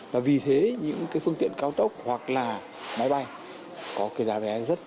và vì thế những cái phương tiện cao tốc hoặc là máy bay có cái giá vé rất